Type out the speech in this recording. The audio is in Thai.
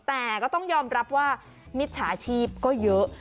แต่ก็ต้องยอมรับว่ามิจฉาชีพก็เยอะ